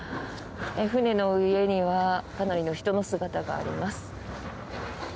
船の上にはかなりの人の姿があります。